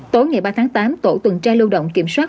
tối ngày ba tháng tám tổ tuần tra lưu động kiểm soát